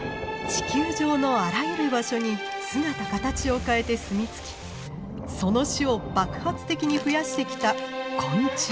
地球上のあらゆる場所に姿形を変えて住みつきその種を爆発的に増やしてきた昆虫。